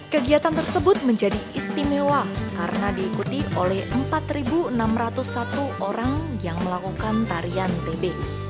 kegiatan tersebut menjadi istimewa karena diikuti oleh empat enam ratus satu orang yang melakukan tarian tb